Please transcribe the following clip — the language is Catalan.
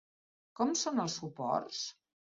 Com són els suports?